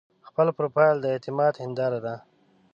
خپل پروفایل د اعتماد هنداره ده.